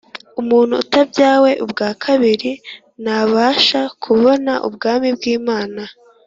“Umuntu utabyawe ubwa kabiri ntabasha kubona ubwami bw”Imana